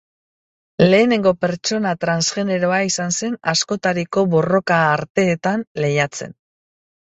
Lehenengo pertsona transgeneroa izan zen askotariko borroka-arteetan lehiatzen.